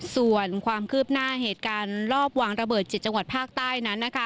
ส่วนความคืบหน้าเหตุการณ์รอบวางระเบิด๗จังหวัดภาคใต้นั้นนะคะ